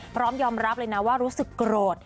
พร้อมยอมรับเลยนะว่ารู้สึกโกรธ